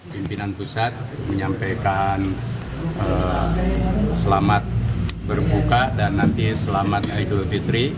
pimpinan pusat menyampaikan selamat berbuka dan nanti selamat idul fitri